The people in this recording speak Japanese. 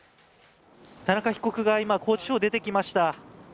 田中被告が今、拘置所を出てきました。